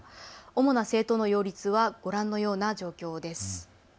主な政党の擁立はご覧のような状況です。